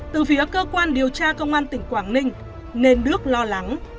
từ phía cơ quan điều tra công an tỉnh quảng ninh nên đức lo lắng